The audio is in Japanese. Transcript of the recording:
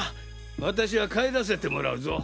私は帰らせてもらうぞ！